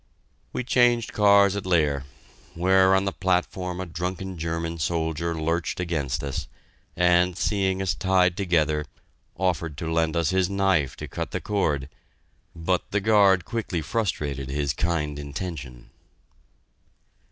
We changed cars at Leer, where on the platform a drunken German soldier lurched against us, and, seeing us tied together, offered to lend us his knife to cut the cord, but the guard quickly frustrated his kind intention.